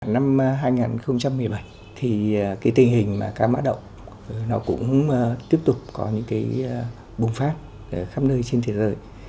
năm hai nghìn một mươi bảy tình hình cá mã độc cũng tiếp tục có những bùng phát khắp nơi trên thế giới